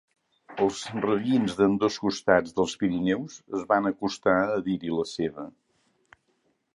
Els rabins d'ambdós costats dels Pirineus es van acostar a dir-hi la seva.